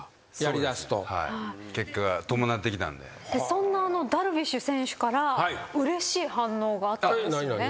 そんなダルビッシュ選手からうれしい反応があったんですよね。